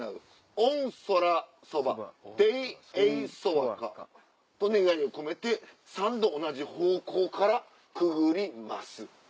「オンソラソバ・テイエイソワカ」と願いを込めて３度同じ方向からくぐります。